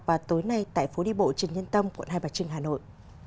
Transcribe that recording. và tối nay tại phố đi bộ trần nhân tông quận hai bạch trưng hà nội